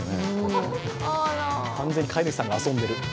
完全に飼い主さんが遊んでいる。